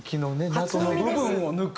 謎の部分を抜く。